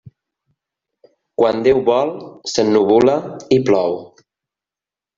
Quan Déu vol, s'ennuvola i plou.